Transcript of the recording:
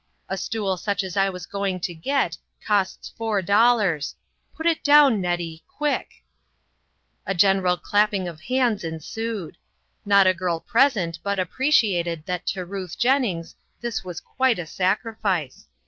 A stool such as I was going to get, costs four dol lars. Put it down, Nettie, quick !" A general clapping of hands ensued. Not a girl present but appreciated that to Ruth Jennings this was quite a sacrifice.